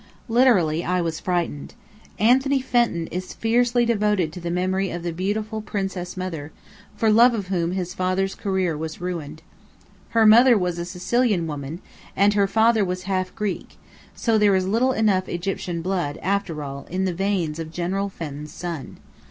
Literally, I was frightened. Anthony Fenton is fiercely devoted to the memory of the beautiful princess mother, for love of whom his father's career was ruined. Her mother was a Sicilian woman, and her father was half Greek, so there is little enough Egyptian blood, after all, in the veins of General Fenton's son.